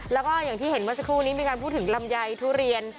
แล้วก็อย่างที่เห็นเมื่อสักครู่นี้มีการพูดถึงลำไยทุเรียน